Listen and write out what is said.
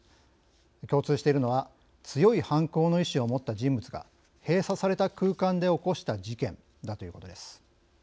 共通しているのは強い犯行の意思を持った人物が閉鎖された空間で起こした事件だということです。